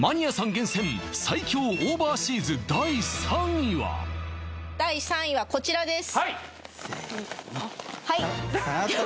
厳選最強オーバーシーズ第３位は第３位はこちらです